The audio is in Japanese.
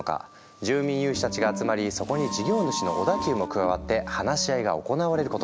住民有志たちが集まりそこに事業主の小田急も加わって話し合いが行われることに。